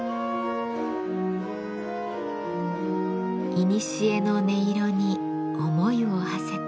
いにしえの音色に思いをはせて。